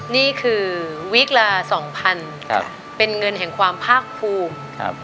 นี่คือวิกละสองพันเป็นเงินแห่งความภาคภูมิ